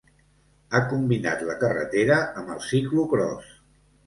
Ha combinat la carretera amb el ciclocròs.